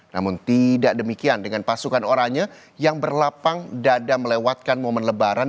namun tidak demikian dengan pasukan oranye yang berlapang dada melewatkan momen lebaran